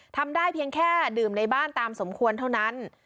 ทำได้เพียงแค่ดื่มในบ้านตามสมควรเท่านั้น